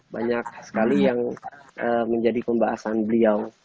banyak sekali yang menjadi pembahasan beliau